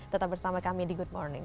tetap bersama kami di good morning